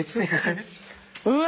うわ！